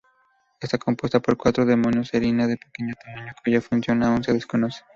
Está compuesta por cuatro dominios serina de pequeño tamaño cuya función aún se desconoce.